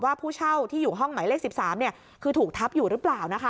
ผู้เช่าที่อยู่ห้องหมายเลข๑๓คือถูกทับอยู่หรือเปล่านะคะ